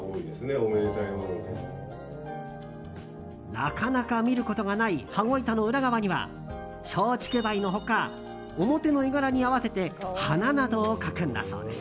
なかなか見ることがない羽子板の裏側には松竹梅の他、表の絵柄に合わせて花などを描くんだそうです。